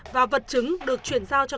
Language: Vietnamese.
và vật chứng được chuyển giao cho